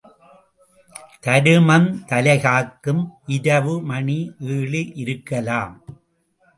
தருமம் தலைகாக்கும் இரவு மணி ஏழு இருக்கலாம்.